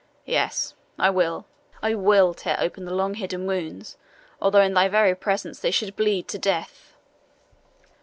Yes I will I WILL tear open the long hidden wounds, although in thy very presence they should bleed to death!"